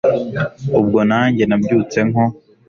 Ubwo nanjye nabyutse nko